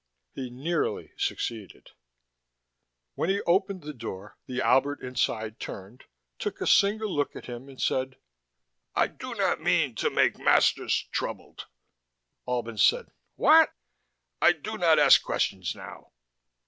He nearly succeeded. When he opened the door the Albert inside turned, took a single look at him, and said: "I do not mean to make masters troubled." Albin said: "What?" "I do not ask questions now."